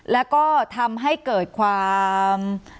แล้วก็ทำให้เกิดความ